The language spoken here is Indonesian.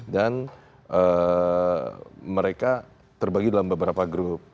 dan mereka terbagi dalam beberapa grup